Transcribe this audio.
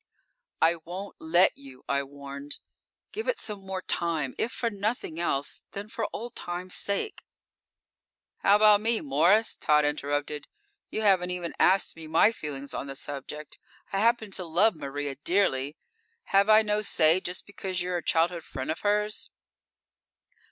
"I won't let you!" I warned. "Give it some more time, if for nothing else, then for old times' sake." "How about me, Morris?" Tod interrupted. "You haven't asked me my feelings on the subject. I happen to love Maria dearly. Have I no say just because you're a childhood friend of hers?"